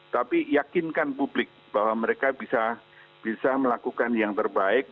tapi yakinkan publik bahwa mereka bisa melakukan yang terbaik